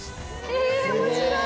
へえ面白い！